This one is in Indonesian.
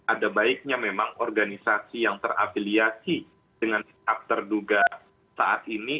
ada baiknya memang organisasi yang terafiliasi dengan hak terduga saat ini